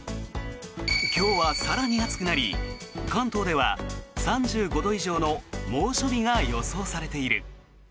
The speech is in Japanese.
今日は更に暑くなり、関東では３５度以上の猛暑日が予想されている。